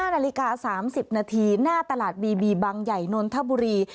นาฬิกา๓๐นาทีหน้าตลาดบีบีบังใหญ่นนทบุรี